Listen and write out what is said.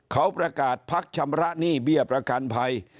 เขาประกาศพักชำระหนี้เบี้ยประกันภัย